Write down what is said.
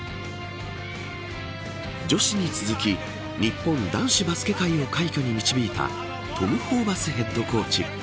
女子に続き日本男子バスケ界を快挙に導いたトム・ホーバスヘッドコーチ。